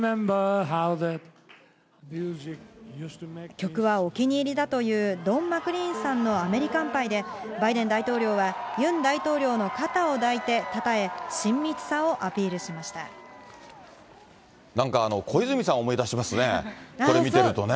曲はお気に入りだというドン・マクリーンさんのアメリカンパイで、バイデン大統領はユン大統領の肩を抱いてたたえ、なんか、小泉さんを思い出しますね、これ見てるとね。